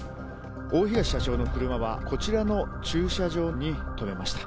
大東社長の車は、こちらの駐車場に止めました。